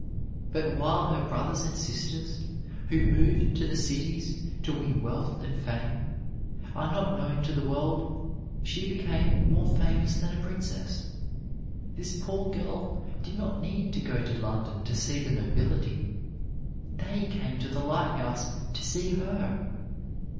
But while her brothers and sisters, who moved to the cities to win wealth and fame, are not known to the world, she became more famous than a princess. This poor girl did not need to go to London to see the nobility; they came to the lighthouse to see her.